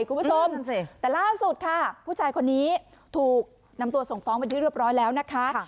คุณผู้ชมแต่ล่าสุดค่ะผู้ชายคนนี้ถูกนำตัวส่งฟ้องเป็นที่เรียบร้อยแล้วนะคะ